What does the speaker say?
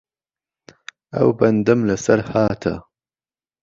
ئهو بهندهم له سهر هاته